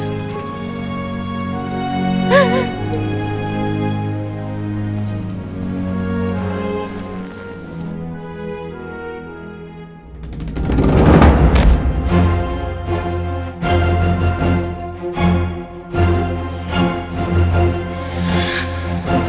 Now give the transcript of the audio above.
saya akan menghadapi siapa